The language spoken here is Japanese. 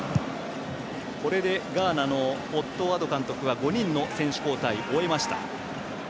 これでガーナのオットー・アド監督は５人の選手交代を終えました。